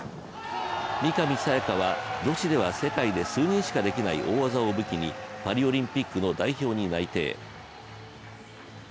三上紗也可は女子では世界で数人しかできない大技でパリオリンピックの代表に内定。